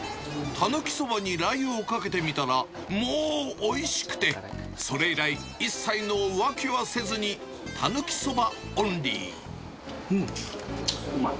たぬきそばにラー油をかけてみたら、もうおいしくて、それ以来、一切の浮気はせずに、たぬきうん、うまい。